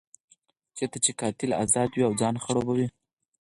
چېرته چې قاتل ازاد وي او ځان خړوبوي.